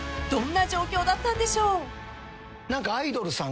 ［どんな状況だったんでしょう？］